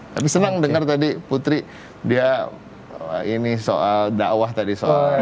tapi senang dengar tadi putri dia ini soal dakwah tadi soal